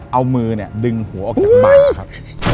เอามือดึงหัวออกจากบ่าครับ